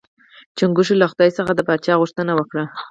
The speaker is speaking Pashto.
چنګښو له خدای څخه د پاچا غوښتنه وکړه.